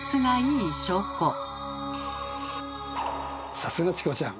さすがチコちゃん。